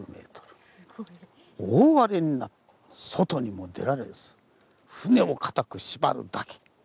大荒れになって外にも出られず船を固く縛るだけ。